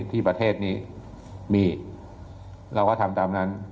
ที่ประเทศนี้มีเราก็ทำตามนั้น